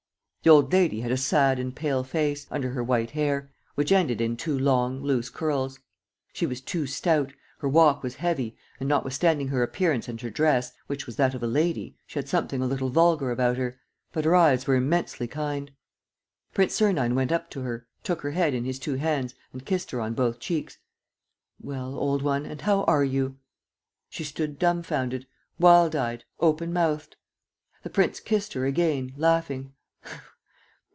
The old lady had a sad and a pale face, under her white hair, which ended in two long, loose curls. She was too stout, her walk was heavy and, notwithstanding her appearance and her dress, which was that of a lady, she had something a little vulgar about her; but her eyes were immensely kind. Prince Sernine went up to her, took her head in his two hands and kissed her on both cheeks: "Well, old one, and how are you?" She stood dumfounded, wild eyed, open mouthed. The prince kissed her again, laughing.